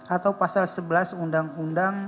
atau pasal sebelas undang undang